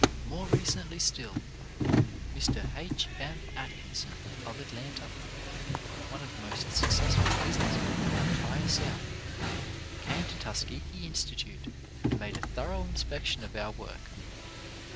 More recently still, Mr. H. M. Atkinson, of Atlanta, one of the most successful business men in the entire South, came to Tuskegee Institute and made a thorough inspection of our work.